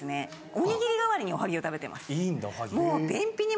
おにぎり代わりにおはぎを食べてます。